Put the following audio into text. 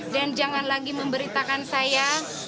dan jangan lagi memberitakan saya